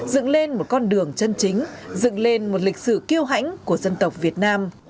dựng lên một con đường chân chính dựng lên một lịch sử kiêu hãnh của dân tộc việt nam